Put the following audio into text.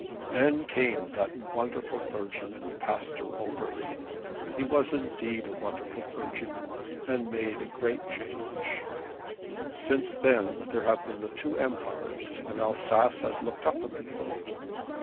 Then came that wonderful clergyman, Pastor Oberlin, he was indeed a wonderful clergyman, and made a great change. Since that there have been the two empires, and Alsace has looked up in the world.